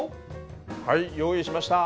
はい用意しました。